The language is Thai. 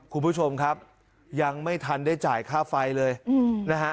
คุณผู้ชมครับยังไม่ทันได้จ่ายค่าไฟเลยนะฮะ